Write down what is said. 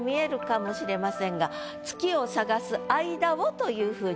月を探す間をというふうに。